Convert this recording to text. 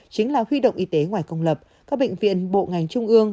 chính là huy động y tế ngoài công lập các bệnh viện bộ ngành trung ương